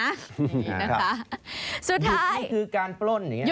นี่นะคะสุดท้ายหยุดนี่คือการปล้นอย่างนี้